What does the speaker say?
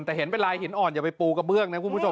แต่เห็นเป็นลายหินอ่อนอย่าไปปูกระเบื้องนะคุณผู้ชม